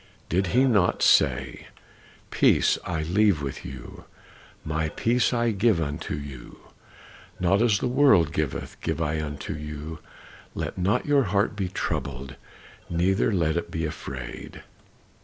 "Did he not say, 'Peace I leave with you, my peace I give unto you. Not as the world giveth, give I unto you. Let not your heart be troubled, neither let it be afraid.